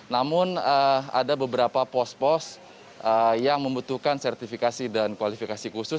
namun ada beberapa pos pos yang membutuhkan sertifikasi dan kualifikasi khusus